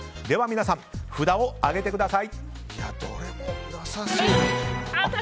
では皆さん、札を上げてください。